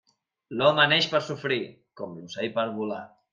L'home neix per sofrir, com l'ocell per volar.